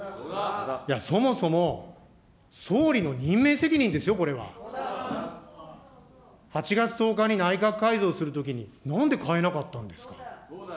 そもそも総理の任命責任ですよ、これは。８月１０日に内閣改造するときになんで代えなかったんですか。